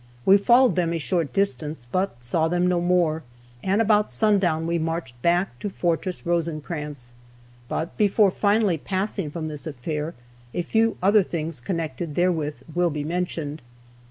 We followed them a short distance, but saw them no more, and about sundown we marched back to Fortress Rosecrans. But before finally passing from this affair, a few other things connected therewith will be mentioned.